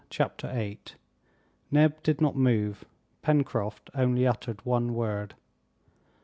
Chapter 8 Neb did not move. Pencroft only uttered one word.